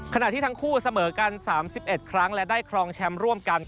ขณะที่ทั้งคู่เสมอกัน๓๑ครั้งและได้ครองแชมป์ร่วมกัน